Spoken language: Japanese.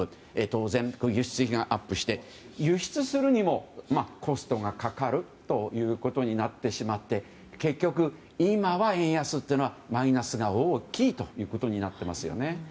当然、輸出費がアップして輸出するにもコストがかかるということになってしまって結局、今は円安というのはマイナスが大きいということになっていますね。